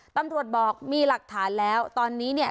ตำรวจบอกมีหลักฐานแล้วตอนนี้เนี่ย